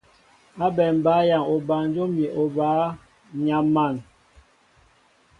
Ábɛm bǎyaŋ obanjóm ni obǎ, ǹ yam̀an.